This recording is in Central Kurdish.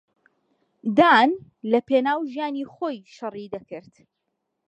دان لەپێناو ژیانی خۆی شەڕی دەکرد.